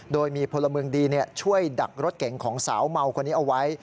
โดยมีพลเมืองดีช่วยดักรถเก๋งของสาวเมาคนนี้เอาไว้